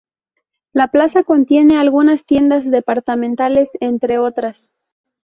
La Plaza Contiene algunas tiendas departamentales, entre otras.